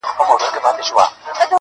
نر او ښځو به نارې وهلې خدایه!.